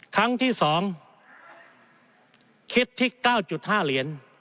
ครั้งที่๒คิดที่๙๕เหรียญ